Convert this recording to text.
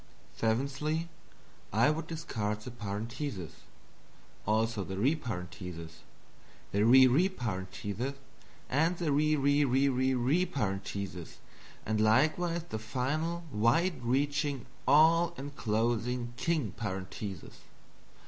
Seventhly, I would discard the Parenthesis. Also the reparenthesis, the re reparenthesis, and the re re re re re reparentheses, and likewise the final wide reaching all enclosing king parenthesis.